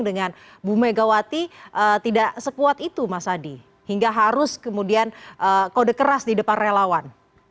dengan bu megawati tidak sekuat itu mas adi hingga harus kemudian kode keras di depan relawan